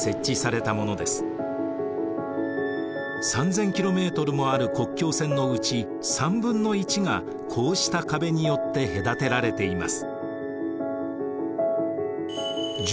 ３，０００ｋｍもある国境線のうち３分の１がこうした壁によって隔てられています。